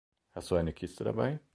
Hast du eine Kiste dabei?